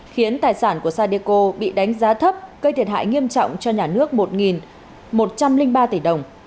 khiến tài sản của sadeco bị đánh giá thấp gây thiệt hại nghiêm trọng cho nhà nước một một trăm linh ba tỷ đồng